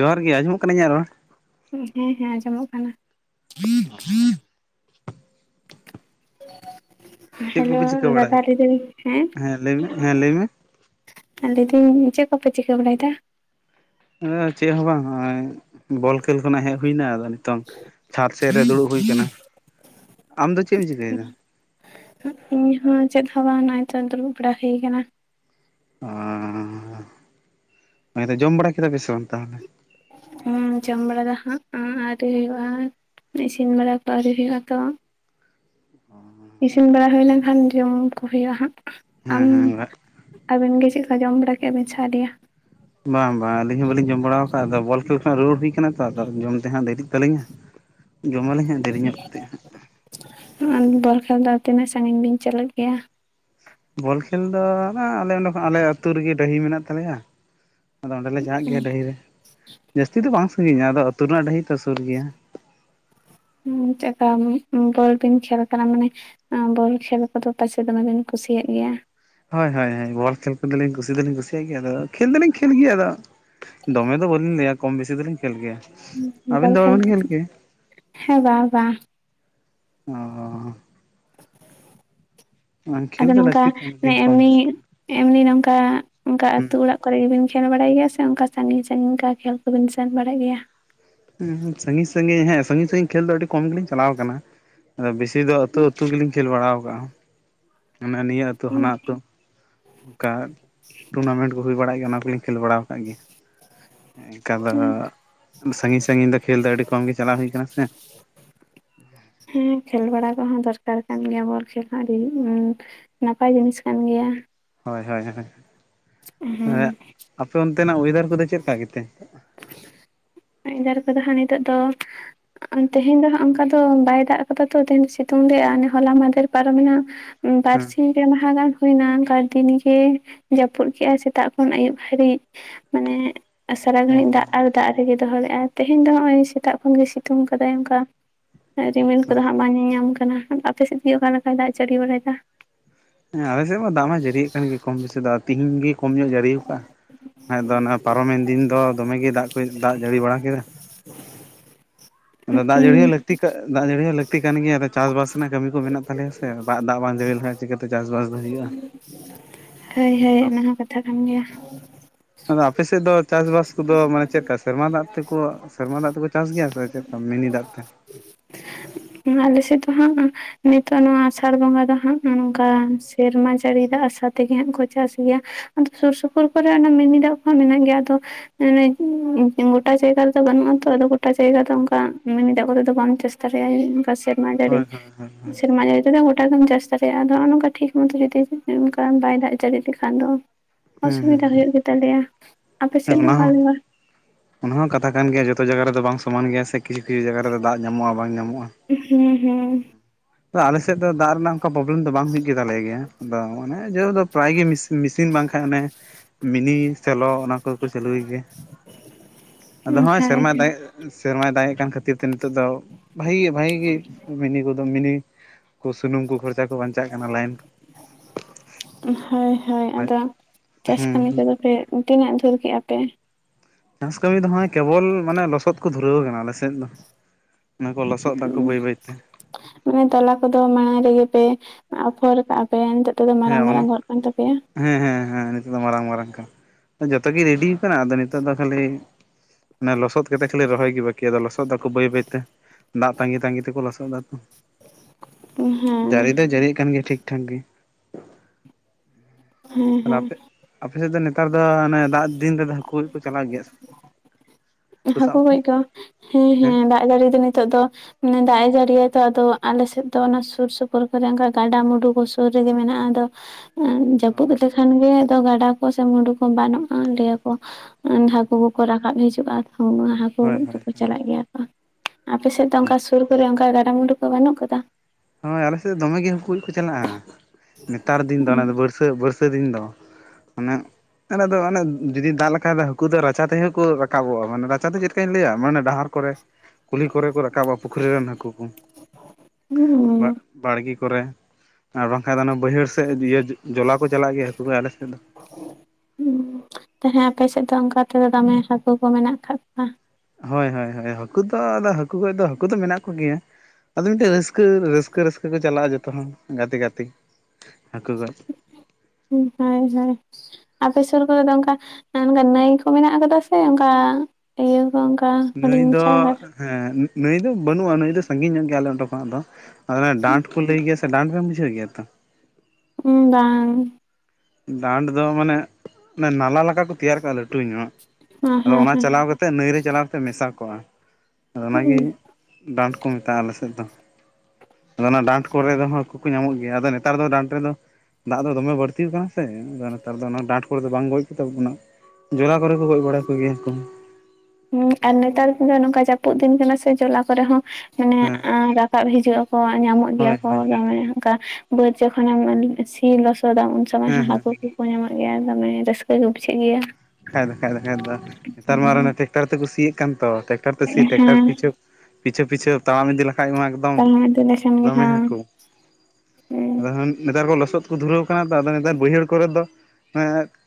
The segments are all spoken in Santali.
ᱡᱚᱦᱟᱨ ᱜᱮ ᱟᱸᱚᱢᱚᱜ ᱠᱟᱱᱟ ᱤᱧᱟᱹᱜ ᱨᱚᱲ? ᱦᱮᱸ ᱦᱮᱸ ᱟᱸᱡᱚᱢᱚᱜ ᱠᱟᱱᱟ᱾ [unintelligible] [unintelligible] ᱪᱮᱫ ᱦᱮᱞᱳ ᱠᱚᱯᱮ ᱪᱤᱠᱟᱹ ᱫᱟᱫᱟ ᱵᱟᱲᱟᱭᱮᱫ ᱞᱮᱫᱟᱞᱤᱝ ᱦᱮᱸ, ᱞᱟᱹᱭ ᱢᱮ ᱦᱮᱸ ᱞᱟᱹᱭ ᱢᱮ ᱞᱮᱫᱟᱹᱧ ᱪᱮᱫ ᱠᱚᱯᱮ ᱪᱤᱠᱟᱹ ᱵᱟᱲᱟᱭ ᱫᱟ? ᱮᱸ ᱪᱮᱫ ᱦᱚᱸ ᱵᱟᱝ ᱦᱚᱜᱚᱭ ᱵᱚᱞ ᱠᱷᱮᱞ ᱠᱷᱚᱱᱟᱜ ᱦᱮᱡ ᱦᱩᱭ ᱮᱱᱟ ᱟᱫᱚ ᱱᱤᱛᱚᱝ ᱪᱟᱨ ᱥᱮᱫ ᱨᱮ ᱫᱩᱲᱩᱵ ᱦᱩᱭ ᱠᱟᱱᱟ᱾ ᱟᱢ ᱫᱚ ᱪᱮᱫ ᱮᱢ ᱪᱤᱠᱟᱹᱭ ᱫᱟ? ᱤᱧ ᱦᱚᱸ ᱪᱮᱫ ᱦᱚᱸ ᱵᱟᱝ ᱱᱟᱭᱤᱛᱟᱨ ᱫᱩᱲᱩᱵ ᱵᱟᱲᱟ ᱦ ᱟᱠᱟᱱᱟ᱾ ᱚᱻ ᱞᱮᱫᱤᱧ ᱡᱚᱢ ᱵᱟᱲᱟ ᱠᱮᱫᱟ ᱵᱮᱥ ᱵᱟᱝ ᱛᱟᱦᱚᱞᱮ? ᱩᱸ ᱡᱚᱢ ᱵᱟᱲᱟ ᱫᱚ ᱦᱟᱸᱜ ᱟᱹᱣᱨᱤ ᱦᱩᱭᱩᱜᱼᱟ ᱤᱥᱤᱱ ᱵᱟᱲᱟ ᱠᱚ ᱟᱹᱨᱤ ᱦᱩᱭᱩᱜᱼᱟ ᱛᱚ᱾ ᱚᱻ ᱤᱥᱤᱱ ᱵᱟᱲᱟ ᱦᱩᱭ ᱞᱮᱱᱠᱷᱟᱱ ᱡᱚᱢ ᱠᱚ ᱦᱩᱭᱩᱜᱼᱟ ᱦᱟᱸᱜ, ᱦᱮᱸ ᱟᱢ ᱦᱮᱸ ᱵᱟᱝ ᱟᱹᱵᱤᱱ ᱜᱮ ᱪᱮᱫ ᱞᱮᱠᱟ ᱡᱚᱢ ᱵᱟᱲᱟ ᱠᱮᱫ ᱵᱤᱱ ᱪᱷᱮ ᱟᱣᱨᱤᱭᱟ? ᱵᱟᱝ ᱵᱟᱝ ᱟᱹᱞᱤᱧ ᱦᱚᱸ ᱵᱟᱞᱤᱧ ᱡᱚᱢ ᱵᱟᱲᱟᱣ ᱟᱠᱟᱫᱼᱟ ᱟᱫᱚ ᱵᱚᱞ ᱠᱷᱮᱞ ᱠᱷᱚᱱᱟᱜ ᱨᱩᱣᱟᱹᱲ ᱦᱩᱭ ᱟᱠᱟᱱᱟ ᱛᱚ ᱟᱫᱚ ᱡᱚᱢ ᱛᱮ ᱦᱟᱸᱟᱜ ᱫᱮᱨᱤ ᱛᱟᱞᱤᱧ ᱡᱚᱢᱟᱞᱤᱧ ᱦᱟᱸᱜ ᱫᱮᱨᱤᱧᱚᱜ ᱠᱟᱛᱮᱫ ᱦᱟᱸᱜ᱾ ᱟᱨ ᱵᱚᱞ ᱠᱷᱮᱞ ᱫᱚ ᱛᱤᱱᱟᱹᱜ ᱥᱟᱺᱜᱤᱧ ᱜᱤᱧ ᱪᱟᱞᱟᱜ ᱜᱮᱭᱟ? ᱵᱚᱞ ᱠᱷᱮᱞ ᱫᱚ ᱟᱞᱮ ᱚᱸᱰᱮ ᱟᱞᱮ ᱟᱹᱛᱩ ᱨᱮᱜᱮ ᱰᱟᱹᱦᱤ ᱢᱮᱱᱟᱜ ᱛᱟᱞᱮᱭᱟ, ᱟᱫᱚ ᱚᱸᱰᱮᱞᱮ ᱪᱟᱜ ᱜᱮᱭᱟ ᱰᱟᱹᱦᱤᱨ ᱨᱮ ᱡᱟᱹᱥᱛᱤ ᱫᱚ ᱵᱟᱝ ᱥᱟᱺᱜᱤᱧᱟ ᱟᱫᱚ ᱟᱹᱛᱩ ᱨᱮᱱᱟᱜ ᱰᱟᱹᱦᱤ ᱛᱚ ᱥᱩᱨ ᱜᱮᱭᱟ᱾ ᱩᱸ ᱪᱮᱫᱠᱟ ᱵᱚᱞ ᱵᱤᱱ ᱠᱷᱮᱞ ᱠᱟᱱᱟ ᱢᱟᱱᱮ ᱵᱚᱞ ᱠᱷᱮᱞ ᱠᱚᱫᱚ ᱯᱟᱪᱮᱫ ᱫᱚᱢᱮ ᱵᱤᱱ ᱠᱩᱥᱤᱭᱟᱜ ᱜᱮᱭᱟ? ᱦᱳᱭ ᱦᱳᱭ ᱦᱳᱭ ᱵᱚᱞ ᱠᱷᱮᱞ ᱠᱚᱫᱚ ᱞᱤᱧ ᱠᱩᱥᱤ ᱫᱚᱞᱤᱧ ᱠᱩᱥᱤᱭᱟᱜ ᱜᱮᱭᱟ ᱟᱫᱚ ᱠᱷᱮᱞ ᱫᱚᱞᱤᱧ ᱠᱷᱮᱞ ᱜᱮᱭᱟ᱾ ᱟᱫᱚ ᱫᱚᱢᱮ ᱫᱚ ᱵᱟᱹᱞᱤᱧ ᱞᱟᱹᱭᱟ ᱠᱚᱢ ᱵᱮᱥᱤ ᱫᱚᱞᱤᱧ ᱠᱷᱮᱞ ᱜᱮᱭᱟ᱾ ᱟᱹᱵᱤᱱ ᱵᱚᱞ ᱫᱚ ᱠᱷᱮᱞ ᱵᱟᱵᱤᱱ ᱜᱮᱭᱟ ᱦᱮᱸ ᱵᱟ ᱵᱟ, ᱚᱻ ᱠᱷᱮᱞ ᱟᱫᱚ ᱫᱚ ᱱᱚᱝᱠᱟ ᱞᱟᱹᱠᱛᱤ ᱠᱟᱱ ᱜᱮᱭᱟ ᱠᱚᱢ ᱮᱢᱱᱤ ᱵᱮᱥᱤ ᱮᱢᱱᱤ ᱱᱚᱝᱠᱟ ᱱᱚᱝᱠᱟ ᱫᱚ᱾ ᱟᱹᱛᱩ ᱚᱲᱟᱜ ᱠᱚ ᱠᱚᱨᱮ ᱜᱮᱵᱤᱱ ᱠᱷᱮᱞ ᱵᱟᱲᱟᱭ ᱜᱮᱭᱟ ᱥᱮ ᱚᱱᱠᱟ ᱥᱟᱺᱜᱤᱧ ᱥᱟᱺᱜᱤᱧ ᱠᱷᱮᱞ ᱠᱚᱵᱤᱱ ᱥᱮᱱ ᱵᱟᱲᱟᱜ ᱜᱮᱭᱟ ᱦᱩᱸ ᱥᱟᱺᱜᱤᱧ ᱥᱟᱺᱜᱤᱧ ᱦᱮᱸ ᱥᱟᱺᱜᱤᱧ ᱥᱟᱺᱜᱤᱧ ᱠᱷᱮᱞ ᱫᱚ ᱟᱹᱰᱤ ᱠᱚᱢ ᱜᱮᱞᱤᱧ ᱪᱟᱞᱟᱣ ᱟᱠᱟᱱᱟ ᱟᱫᱚ ᱵᱮᱥᱤ ᱵᱮᱥᱤ ᱫᱚ ᱟᱹᱛᱩ ᱟᱹᱛᱩ ᱜᱮᱞᱤᱧ ᱠᱷᱮᱞ ᱵᱟᱲᱟ ᱟᱠᱟᱜᱼᱟ ᱢᱟᱱᱮ ᱱᱤᱭᱟᱹ ᱟᱹᱛᱩ ᱦᱟᱱᱟ ᱟᱹᱛᱩ ᱚᱱᱠᱟ ᱴᱩᱨᱱᱟᱢᱮᱱᱴ ᱠᱚ ᱦᱩᱭ ᱵᱟᱲᱟᱜ ᱜᱮᱭᱟ ᱚᱱᱟ ᱠᱚᱞᱤᱧ ᱠᱷᱮᱞ ᱵᱟᱲᱟ ᱟᱠᱟᱫ ᱜᱮᱭᱟ ᱚᱱᱠᱟ ᱫᱚ ᱥᱟᱺᱜᱤᱧ ᱥᱟᱜᱤᱧ ᱫᱚ ᱠᱷᱮᱞ ᱫᱚ ᱟᱹᱰᱤ ᱠᱚᱢ ᱜᱮ ᱪᱟᱞᱟᱣ ᱦᱩᱭ ᱠᱟᱱᱟ ᱥᱮ ᱦᱮᱸ ᱠᱷᱮᱞ ᱵᱟᱲᱟ ᱠᱚᱦᱚᱸ ᱫᱚᱨᱠᱟᱨ ᱠᱟᱱ ᱜᱮᱭᱟ ᱵᱚᱞ ᱠᱷᱮᱞ ᱦᱚᱸ ᱟᱹᱰᱤ ᱱᱟᱯᱟᱭ ᱡᱤᱱᱤᱥ ᱠᱟᱱ ᱜᱮᱭᱟ ᱦᱳᱭ ᱦᱳᱭ ᱦᱳᱭ ᱦᱮᱸ ᱟᱯᱮ ᱚᱱᱛᱮᱱᱟᱜ ᱚᱭᱮᱫᱟᱨ ᱠᱚᱫᱚ ᱪᱮᱫ ᱞᱮᱠᱟ ᱜᱮᱛᱮ ᱣᱮᱟᱨ ᱠᱚᱫᱚ ᱦᱟᱸᱜ ᱱᱤᱛᱳᱜ ᱫᱚ ᱛᱮᱦᱮᱧ ᱫᱚ ᱦᱟᱸᱜ ᱚᱱᱠᱟ ᱫᱚ ᱵᱟᱭ ᱫᱟᱜ ᱠᱟᱫᱟ ᱛᱚ ᱛᱮᱦᱮᱧ ᱫᱚ ᱥᱤᱛᱩᱝ ᱨᱮᱭᱟ ᱦᱚᱞᱟ ᱢᱟᱦᱫᱮᱨ ᱯᱟᱨᱚᱢᱮᱱᱟ ᱦᱮᱸ ᱵᱟᱨᱥᱤᱧ ᱯᱮ ᱢᱟᱦᱟ ᱜᱟᱱ ᱦᱩᱭᱱᱟ ᱚᱱᱠᱟ ᱫᱤᱱ ᱜᱮ ᱡᱟᱹᱯᱩᱫ ᱠᱮᱜ-ᱟᱭ ᱥᱮᱛᱟᱜ ᱠᱷᱚᱱ ᱟᱹᱭᱩᱵ ᱦᱟᱹᱨᱤᱡ ᱢᱟᱱᱮ ᱥᱟᱨᱟ ᱚ ᱜᱷᱟᱹᱲᱤᱡ ᱫᱟᱜ ᱟᱨ ᱫᱟᱜ ᱨᱮᱜᱮ ᱫᱚᱦᱚ ᱞᱮᱫᱼᱟ ᱛᱮᱦᱮᱧ ᱫᱚ ᱱᱚᱜ ᱚᱭ ᱥᱮᱛᱟᱜ ᱠᱷᱚᱱ ᱜᱮᱭ ᱥᱤᱛᱩᱝ ᱠᱟᱫᱟᱭ ᱚᱱᱠᱟ ᱨᱤᱢᱤᱞ ᱠᱚᱫᱚ ᱦᱟᱸᱜ ᱵᱟᱝ ᱧᱮᱧᱟᱢ ᱠᱟᱱᱟ ᱟᱯᱮ ᱥᱮᱫ ᱜᱮ ᱚᱠᱟ ᱞᱮᱠᱟ ᱫᱟᱜ ᱮ ᱡᱟᱹᱲᱤ ᱵᱟᱲᱟᱭᱮᱫᱟ ᱦᱮᱸ ᱟᱞᱮ ᱥᱮᱫ ᱢᱟ ᱫᱟᱜ ᱢᱟ ᱡᱟᱹᱲᱤᱭᱮᱜ ᱠᱟᱱ ᱜᱮᱭᱟ ᱠᱚᱢ ᱵᱮᱥᱤ ᱫᱚ ᱛᱤᱦᱤᱧ ᱜᱮ ᱠᱚᱢ ᱧᱚᱜᱼᱮ ᱡᱟᱹᱲᱤᱭᱟᱠᱟᱜᱼᱟ ᱠᱷᱟᱡ ᱫᱚ ᱚᱱᱮ ᱯᱟᱨᱚᱢᱮᱱ ᱫᱤᱱ ᱫᱚ ᱫᱚᱢᱮ ᱜᱮ ᱫᱟᱜ ᱠᱚ ᱫᱟᱜ ᱡᱟᱹᱲᱤ ᱵᱟᱲᱟ ᱠᱮᱫᱟ ᱟᱫᱚ ᱫᱟᱜ ᱡᱟᱹᱲᱤ ᱦᱚ ᱞᱟᱹᱠᱛᱤ ᱠᱟᱜ ᱫᱟᱜ ᱡᱟᱹᱲᱤ ᱦᱚᱸ ᱞᱟᱠᱛᱤ ᱠᱟᱱ ᱜᱮᱭᱟ ᱟᱫᱚ ᱪᱟᱥᱵᱟᱥ ᱨᱮᱱᱟᱜ ᱠᱟᱹᱢᱤ ᱠᱚ ᱢᱮᱱᱟᱜ ᱛᱟᱞᱮᱭᱟ ᱥᱮ ᱫᱟᱜ ᱫᱟᱜ ᱵᱟᱝ ᱡᱟᱹᱲᱤ ᱞᱮᱠᱷᱟᱡ ᱪᱤᱠᱟᱛᱮ ᱪᱟᱥᱵᱟᱥ ᱫᱚ ᱦᱩᱭᱩᱜᱼᱟ ᱦᱳᱭ ᱦᱳᱭ ᱚᱱᱟ ᱦᱚᱸ ᱠᱟᱛᱷᱟ ᱠᱟᱱ ᱜᱮᱭᱟ ᱛᱚᱵᱮ ᱟᱯᱮ ᱥᱮᱫ ᱫᱚ ᱪᱟᱥᱵᱟᱥ ᱠᱚᱫᱚ ᱢᱟᱱᱮ ᱪᱮᱫ ᱞᱮᱠᱟ ᱥᱮᱨᱢᱟ ᱫᱟᱜ ᱛᱮᱠᱚ ᱥᱮᱨᱢᱟ ᱫᱟᱜ ᱛᱮᱠᱚ ᱪᱟᱥ ᱜᱮᱭᱟ ᱥᱮ ᱪᱮᱫ ᱢᱤᱱᱤ ᱫᱟᱜ ᱛᱮ ᱢᱟᱱᱮ ᱟᱞᱮ ᱥᱮᱫ ᱫᱚ ᱦᱟᱸᱜ ᱱᱤᱛᱚᱜ ᱱᱚᱣᱟ ᱟᱥᱟᱲ ᱵᱚᱸᱜᱟ ᱫᱚ ᱦᱟᱸᱜ ᱱᱚᱝᱠᱟ ᱥᱮᱨᱢᱟ ᱡᱟ ᱡᱟᱹᱲᱤ ᱫᱟᱜ ᱟᱥᱟ ᱛᱮᱜᱮ ᱦᱟᱸᱜ ᱠᱚ ᱪᱟᱥ ᱜᱮᱭᱟ ᱟᱫᱚ ᱥᱩᱨ ᱥᱩᱯᱩᱨ ᱠᱚᱨᱮ ᱢᱤᱱᱤ ᱫᱟᱜ ᱠᱚᱦᱚᱸ ᱢᱮᱱᱟᱜ ᱜᱮᱭᱟ ᱟᱫᱚ ᱢᱟᱱᱮ ᱜᱚᱴᱟ ᱡᱟᱭᱜᱟ ᱨᱮᱫᱚ ᱵᱟᱹᱱᱩᱜ ᱟᱼᱟ ᱛᱚ ᱟᱫᱚ ᱜᱚᱴᱟ ᱡᱟᱭᱜᱟ ᱫᱚ ᱚᱝᱠᱟ ᱢᱤᱱᱤ ᱫᱟᱜ ᱠᱚᱛᱮ ᱫᱚ ᱵᱟᱢ ᱪᱟᱥ ᱫᱟᱲᱮᱭᱟᱜᱼᱟ ᱚᱠᱟ ᱥᱮᱫ ᱦᱳᱭ ᱦᱳᱭ ᱦᱳᱭ ᱦᱳᱭ [unintelligible] ᱥᱮᱨᱢᱟ ᱡᱟᱹᱲᱤ ᱛᱮᱫᱚ ᱜᱚᱴᱟ ᱜᱮᱢ ᱪᱟᱥ ᱫᱟᱲᱮᱭᱟᱜᱼᱟ ᱟᱫᱚ ᱚᱱᱚ ᱚᱝᱠᱟ ᱴᱷᱤᱠ ᱢᱚᱛᱚ ᱡᱩᱫᱤ ᱚᱱᱮ ᱚᱝᱠᱟ ᱵᱟᱭ ᱫᱟᱜ ᱡᱟᱲᱤ ᱞᱮᱠᱷᱟᱱ ᱫᱚ ᱦᱩᱸ ᱚᱥᱩᱵᱤᱫᱷᱟ ᱦᱩᱸ ᱦᱩᱭᱩᱜ ᱜᱮ ᱛᱟᱞᱮᱭᱟ ᱟᱯᱮ ᱥᱮᱫ ᱦᱩᱸ ᱫᱚ ᱚᱱᱟ ᱦᱚᱸ [unintelligible] ᱚᱱᱟ ᱦᱚᱸ ᱠᱟᱛᱷᱟ ᱠᱟᱱ ᱜᱮᱭᱟ ᱡᱚᱛᱚ ᱡᱟᱭᱜᱟ ᱨᱮᱫᱚ ᱵᱟᱝ ᱥᱚᱢᱟᱱ ᱜᱮᱭᱟ ᱥᱮ ᱠᱤᱪᱷᱩ ᱠᱤᱪᱷᱩ ᱡᱟᱭᱜᱟ ᱨᱮᱫᱚ ᱫᱟᱜ ᱧᱟᱢᱚᱜᱼᱟ ᱵᱟᱝ ᱧᱟᱢᱚᱜᱼᱟ᱾ ᱦᱩᱸ ᱦᱩᱸ ᱛᱚ ᱟᱞᱮ ᱥᱮᱫ ᱫᱚ ᱫᱟᱜ ᱨᱮᱱᱟᱜ ᱚᱝᱠᱟ ᱯᱨᱚᱵᱞᱮᱢ ᱫᱚ ᱵᱟᱝ ᱦᱩᱭᱩᱜ ᱜᱮᱛᱟᱞᱮ ᱜᱮᱭᱟ ᱾ ᱟᱫᱚ ᱢᱟᱱᱮ ᱡᱮᱦᱮᱛᱩ ᱯᱨᱟᱭ ᱜᱮ ᱢᱤᱥᱤᱱ ᱵᱟᱝ ᱠᱷᱟᱡ ᱢᱟᱱᱮ ᱢᱤᱱᱤ ᱥᱮᱞᱚ ᱚᱱᱟ ᱠᱚᱦᱚᱸ ᱠᱩ ᱪᱟᱹᱞᱩᱭ ᱜᱮᱭᱟ ᱟᱫᱚ ᱦᱚᱸᱜ-ᱚᱭ ᱦᱳᱭ ᱥᱮᱨᱢᱟᱭ ᱫᱟᱜ ᱮᱜ ᱥᱮᱨᱢᱟᱭ ᱫᱟ ᱮᱜ ᱠᱟᱱ ᱠᱷᱟᱹᱛᱤᱨ ᱛᱮ ᱱᱤᱛᱚᱜ ᱫᱚ ᱵᱷᱟᱜᱤ ᱜᱮ ᱵᱷᱟᱜᱤ ᱜᱮ ᱢᱤᱱᱤ ᱠᱩᱫᱚ ᱢᱤᱱᱤ ᱠᱩ ᱥᱩᱱᱩᱢ ᱠᱩ ᱠᱷᱚᱨᱪᱟ ᱠᱩ ᱵᱟᱧᱪᱟ ᱪᱟᱜ ᱠᱟᱱᱟ ᱞᱟᱭᱮᱱ ᱦᱳᱭ ᱦᱳᱭ ᱟᱫᱚ, ᱪᱟᱥ ᱠᱟᱹᱢᱤ ᱦᱮᱸ ᱠᱚᱫᱚ ᱯᱮ ᱛᱤᱱᱟᱹᱜ ᱡᱷᱟᱹᱞ ᱠᱮᱜᱼᱟ ᱯᱮ ᱪᱟᱥ ᱠᱟᱹᱢᱤ ᱫᱚ ᱦᱚᱸᱜᱼᱚᱭ ᱠᱮᱵᱚᱞ ᱢᱟᱱᱮ ᱞᱚᱥᱚᱫ ᱠᱩ ᱫᱷᱩᱨᱟᱹᱣ ᱟᱠᱟᱱᱟ ᱟᱞᱮ ᱥᱮᱫ ᱫᱚ ᱚᱱᱟ ᱠᱩ ᱞᱚᱥᱚᱫ ᱫᱟᱠᱩ ᱵᱟᱹᱭ ᱵᱟᱹᱭ ᱛᱮ ᱢᱟᱱᱮ ᱛᱚᱞᱟ ᱠᱚᱫᱚ ᱢᱟᱲᱟᱝ ᱨᱮᱜᱮ ᱯᱮ ᱟᱯᱷᱚᱨ ᱠᱟᱜᱼᱟ ᱾ ᱟᱯᱮ ᱱᱤᱛᱚᱜ ᱫᱚ ᱛᱚ ᱦᱮᱸ ᱢᱟᱨᱟᱝ ᱚᱱᱟ ᱢᱟᱨᱟᱝ ᱦᱟᱨᱟᱜ ᱠᱟᱱ ᱛᱟᱯᱮᱭᱟ ᱦᱮᱸ ᱦᱮᱸ ᱦᱮᱸ ᱱᱤᱛᱚᱜ ᱫᱚ ᱢᱟᱨᱟᱝ ᱢᱟᱨᱟᱝ ᱠᱟᱱᱟ ᱡᱚᱛᱚ ᱜᱮ ᱨᱮᱰᱤᱣ ᱠᱟᱱᱟ ᱟᱫᱚ ᱱᱤᱛᱚᱜ ᱫᱚ ᱠᱷᱟᱹᱞᱤ ᱢᱟᱱᱮ ᱞᱚᱥᱚᱫ ᱱᱤᱛᱚᱜ ᱫᱚ ᱠᱷᱟᱹᱞᱤ ᱨᱚᱦᱚᱭ ᱜᱮ ᱵᱟᱹᱠᱤ ᱟᱫᱚ ᱞᱚᱥᱚᱫ ᱫᱟᱠᱩ ᱵᱟᱹᱭ ᱵᱟᱹᱭ ᱛᱮ ᱫᱟᱜ ᱛᱟᱺᱜᱤ ᱛᱟᱺᱜᱤ ᱛᱮᱠᱚ ᱞᱚᱥᱚᱫ ᱫᱟ ᱛᱚ ᱦᱮᱸ ᱡᱟᱹᱲᱤ ᱫᱚᱭ ᱡᱟᱹᱲᱤᱭᱮᱜ ᱠᱟᱱ ᱜᱮᱭᱟ ᱴᱷᱤᱠ ᱴᱷᱟᱠ ᱜᱮ ᱦᱮᱸ ᱛᱟᱦᱚᱞᱮ ᱦᱮᱸ ᱟᱯᱮ ᱟᱯᱮ ᱥᱮᱜ ᱫᱚ ᱱᱮᱛᱟᱨ ᱫᱚ ᱢᱟᱱᱮ ᱫᱟᱜ ᱫᱤᱱ ᱨᱮᱫᱚ ᱦᱟᱹᱠᱩ ᱜᱚᱡ ᱠᱩ ᱪᱟᱞᱟᱜ ᱜᱮᱭᱟ ᱥᱮ ᱦᱟᱹᱠᱩ ᱥᱟᱵ ᱠᱚ ᱜᱚᱡ ᱠᱩ ᱦᱮᱸ ᱦᱮᱸ ᱫᱟᱜ ᱡᱟᱹᱲᱤ ᱫᱚ ᱱᱤᱛᱚᱜ ᱫᱚ ᱢᱟᱱᱮ ᱫᱟᱜ ᱮ ᱡᱟᱹᱲᱤᱭᱟᱭ ᱛᱚ ᱟᱫᱚ ᱟᱞᱮ ᱥᱮᱫ ᱫᱚ ᱚᱱᱟ ᱥᱩᱨ ᱥᱩᱯᱩᱨ ᱠᱚᱨᱮ ᱜᱟᱰᱟᱼᱢᱩᱰᱩ ᱠᱚᱥ ᱥᱩᱨ ᱨᱮᱜᱮ ᱢᱮᱱᱟᱜᱼᱟ ᱟᱫᱚ ᱮᱸᱜ ᱡᱟᱹᱯᱩᱫ ᱞᱮᱠᱷᱟᱱ ᱜᱮ ᱟᱫᱚ ᱜᱟᱰᱟ ᱠᱚ ᱥᱮ ᱢᱩᱰᱩ ᱠᱚ ᱵᱟᱱᱚᱜᱼᱟ ᱞᱟᱹᱭᱟ ᱠᱚ ᱟᱸ ᱦᱟᱹᱠᱩ ᱠᱚᱠᱚ ᱨᱟᱠᱟᱵ ᱦᱤᱡᱩᱜᱼᱟ ᱛᱚ ᱦᱟᱹᱠᱩ ᱦᱳᱭ ᱜᱚᱡ ᱦᱳᱭ ᱫᱚᱠᱩ ᱦᱳᱭ ᱪᱟᱞᱟᱜ ᱜᱮᱭᱟ ᱟᱯᱮ ᱥᱮᱫ ᱫᱚ ᱚᱝᱠᱟ ᱥᱩᱨ ᱠᱚᱨᱮ ᱚᱝᱠᱟ ᱜᱟᱰᱟᱼᱢᱩᱰᱩ ᱠᱚ ᱵᱟᱹᱱᱩᱜ ᱠᱟᱫᱟ ᱦᱳᱭ ᱟᱞᱮ ᱥᱮᱫ ᱫᱚᱢᱮ ᱜᱮ ᱦᱟᱹᱠᱩ ᱜᱚᱡ ᱠᱩ ᱪᱟᱞᱟᱜᱼᱟ ᱱᱮᱛᱟᱨ ᱫᱤᱱ ᱫᱚ ᱦᱩᱸ ᱚᱱᱟ ᱫᱚ ᱵᱟᱹᱨᱥᱟᱹ ᱵᱟᱹᱨᱥᱟᱹ ᱫᱤᱱ ᱫᱚ ᱢᱟᱱᱮ ᱚᱱᱮ ᱫᱚ ᱚᱱᱮ ᱡᱩᱫᱤ ᱫᱟᱜ ᱞᱮᱠᱷᱟᱡ ᱫᱚ ᱦᱟᱹᱠᱩ ᱫᱚ ᱨᱟᱪᱟ ᱛᱮᱦᱚᱸ ᱠᱩ ᱨᱟᱠᱟᱵᱚᱜᱼᱟ ᱢᱟᱱᱮ ᱨᱟᱪᱟ ᱫᱚ ᱪᱮᱫ ᱞᱮᱠᱟᱧ ᱞᱟᱹᱭᱟ ᱢᱟᱱᱮ ᱰᱟᱦᱟᱨ ᱠᱚᱨᱮ [inaudible] ᱠᱩᱞᱦᱤ ᱠᱚᱨᱮ ᱠᱩ ᱨᱟᱠᱟᱵᱚᱜᱼᱟ ᱯᱩᱠᱷᱨᱤ ᱨᱮᱱ ᱦᱟᱹᱠᱩ ᱠᱩ ᱦᱩᱸᱻ ᱵᱟᱲᱜᱮ ᱠᱚᱨᱮ ᱟᱨ ᱵᱟᱝᱠᱷᱟᱡ ᱫᱚ ᱚᱱᱟ ᱵᱟᱹᱭᱦᱟᱹᱲ ᱥᱮᱡ ᱤᱭᱟᱹ ᱡᱚᱞᱟ ᱠᱚ ᱪᱟᱞᱟᱜ ᱜᱮᱭᱟ ᱦᱟᱹᱠᱩ ᱫᱚ ᱟᱞᱮ ᱥᱮᱫ ᱫᱚ ᱩᱸ ᱛᱟᱦᱮᱸ ᱟᱯᱮ ᱥᱮᱫ ᱫᱚ ᱚᱝᱠᱟ ᱛᱮᱫᱚ ᱫᱚᱢᱮ ᱦᱟᱹᱠᱩ ᱠᱚ ᱢᱮᱱᱟᱜ ᱟᱠᱟᱫ ᱠᱚᱣᱟ ᱦᱳᱭ ᱦᱳᱭ ᱦᱳᱭ ᱦᱟᱹᱠᱩ ᱫᱚ ᱟᱫᱚ ᱦᱟᱹᱠᱩ ᱜᱚᱡ ᱫᱚ ᱦᱟᱹᱠᱩ ᱫᱚ ᱢᱮᱱᱟᱜ ᱠᱚ ᱜᱮᱭᱟ᱾ ᱟᱫᱚ ᱢᱤᱫᱴᱮᱡ ᱨᱟᱹᱥᱠᱟᱹ ᱨᱟᱹᱥᱠᱟᱹ ᱨᱟᱹᱥᱠᱟᱹ ᱠᱚ ᱪᱟᱞᱟᱜᱼᱟ ᱡᱚᱛᱚ ᱦᱚᱲ ᱜᱟᱛᱮ ᱜᱟᱛᱮ ᱦᱟᱹᱠᱩ ᱜᱚᱡ ᱦᱩᱸ ᱦᱳᱭ ᱦᱳᱭ ᱟᱯᱮ ᱥᱩᱨ ᱠᱚᱨᱮ ᱫᱚ ᱚᱝᱠᱟ ᱮᱸ ᱚᱝᱠᱟ ᱱᱟᱹᱭ ᱠᱚ ᱢᱮᱱᱟᱜ ᱠᱟᱫᱟ ᱥᱮ ᱚᱝᱠᱟ ᱤᱭᱟᱹ ᱠᱚ ᱚᱝᱠᱟ ᱱᱟᱹᱭ ᱦᱩᱰᱤᱧ ᱫᱚ ᱢᱮᱪᱷᱟ ᱟᱠᱟ [unintelligible] ᱦᱮᱸ ᱱᱟᱹᱭ ᱫᱚ ᱵᱟᱹᱱᱩᱜᱼᱟ ᱱᱟᱹᱭ ᱫᱚ ᱥᱟᱺᱜᱤᱧ ᱧᱚᱜ ᱜᱮᱭᱟ ᱟᱞᱮ ᱚᱸᱰᱮ ᱠᱷᱚᱱᱟᱜ ᱫᱚ ᱟᱫᱚ ᱰᱟᱸᱴ ᱠᱚ ᱞᱟᱹᱭ ᱜᱮᱭᱟ ᱥᱮ ᱰᱟᱸᱴ ᱵᱮᱢ ᱵᱩᱡᱷᱟᱹᱣ ᱜᱮᱭᱟ ᱛᱚ ᱩᱸ ᱵᱟᱝ ᱰᱟᱸᱴ ᱫᱚ ᱢᱟᱱᱮ ᱱᱟᱞᱟ ᱞᱮᱠᱟ ᱠᱩ ᱛᱮᱭᱟᱨ ᱠᱟᱜᱼᱟ ᱞᱟᱹᱴᱩ ᱧᱚᱜ ᱦᱮᱸ ᱟᱫᱚ ᱚᱱᱟ ᱦᱮᱸ ᱪᱟᱞᱟᱣ ᱠᱟ ᱱᱟᱹᱭ ᱨᱮ ᱪᱟᱞᱟᱣ ᱠᱟᱛᱮ ᱢᱮᱥᱟ ᱠᱚᱜᱼᱟ ᱟᱫᱚ ᱚᱱᱟᱜᱮ ᱰᱟᱸᱴ ᱠᱚ ᱢᱮᱛᱟᱜᱼᱟ ᱟᱞᱮ ᱥᱮᱫ ᱫᱚ ᱟᱫᱚ ᱚᱱᱟ ᱰᱟᱱᱴ ᱠᱚᱨᱮ ᱫᱚ ᱦᱟᱹᱠᱩ ᱠᱚ ᱧᱟᱢᱚᱜ ᱜᱮᱭᱟ ᱟᱫᱚ ᱱᱮᱛᱟᱨ ᱫᱚ ᱰᱟᱱᱴ ᱨᱮᱫᱚ ᱫᱟᱜ ᱫᱚ ᱫᱚᱢᱮ ᱵᱟᱹᱲᱛᱤ ᱟᱠᱟᱱᱟ᱾ ᱥᱮ ᱱᱮᱛᱟᱨ ᱫᱚ ᱚᱱᱟ ᱰᱟᱸᱴ ᱠᱚᱨᱮ ᱫᱚ ᱵᱟᱝ ᱜᱚᱡ ᱠᱚᱛᱮ ᱚᱱᱟ ᱡᱚᱞᱟ ᱠᱚᱨᱮ ᱠᱚ ᱜᱚᱡ ᱵᱟᱲᱟ ᱠᱚᱜᱮᱭᱟ ᱠᱚ᱾ ᱦᱮᱸ ᱟᱨ ᱱᱮᱛᱟᱨ ᱫᱚ ᱱᱚᱝᱠᱟ ᱡᱟᱹᱯᱩᱫ ᱫᱤᱱ ᱠᱟᱱᱟ ᱥᱮ ᱡᱚᱞᱟ ᱠᱚᱨᱮ ᱦᱚᱸ ᱢᱟᱱᱮ ᱦᱮᱸ ᱨᱟᱠᱟᱵ ᱦᱤᱡᱩᱜ ᱟᱠᱚ ᱧᱟᱢᱚᱜ ᱜᱮᱭᱟ ᱦᱳᱭ ᱠᱚ ᱦᱳᱭ ᱫᱚᱢᱮ ᱚᱱᱠᱟ᱾ ᱵᱟᱹᱫᱽ ᱡᱚᱠᱷᱚᱱᱮᱢ ᱥᱤ ᱞᱚᱥᱚᱫᱟᱢ ᱩᱱ ᱥᱚᱢᱚᱭ ᱦᱮᱸ ᱦᱚᱸ ᱦᱮᱸ ᱦᱟᱹᱠᱩ ᱠᱚ, ᱠᱚ ᱧᱟᱢᱚᱜ ᱜᱮᱭᱟ ᱫᱚᱢᱮ ᱨᱟᱹᱥᱠᱟᱹ ᱜᱮ ᱵᱩᱡᱷᱟᱹᱣ ᱜᱮᱭᱟ᱾ ᱵᱟᱠᱟᱱᱡ ᱫᱚ ᱠᱷᱟᱱᱡ ᱫᱚ ᱠᱷᱟᱱᱡ ᱫᱚ ᱱᱮᱛᱟᱨ ᱢᱟᱟᱨ ᱴᱮᱠᱟᱨ ᱛᱮᱠᱚ ᱥᱤᱭᱮᱫ ᱠᱟᱱ ᱛᱚ ᱴᱮᱠᱴᱟᱨ ᱛᱮᱤᱭ ᱴᱮᱠᱴᱟᱨ ᱦᱮᱸ ᱯᱤᱪᱷᱩ ᱯᱤᱪᱷᱟᱹ ᱯᱤᱪᱷᱟᱹ ᱛᱟᱲᱟᱢ ᱤᱫᱤ ᱞᱮᱠᱷᱟᱡ ᱢᱟ ᱫᱚᱢ.. ᱛᱟᱦᱮᱸ ᱤᱫᱤ ᱞᱮᱠᱷᱟᱱ ᱜᱮ ᱫᱚᱢᱮ ᱦᱟᱸ ᱦᱟᱹᱠᱩ ᱦᱮᱸ ᱟᱫᱚ ᱱᱮᱛᱟᱨ ᱠᱚ ᱞᱚᱥᱚᱫ ᱫᱷᱩᱨᱟᱹᱣ ᱟᱠᱟᱱᱟ ᱛᱚ ᱟᱫᱚ ᱱᱮᱛᱟᱨ ᱵᱟᱹᱭᱦᱟᱹᱲ ᱠᱚᱨᱮ ᱫᱚ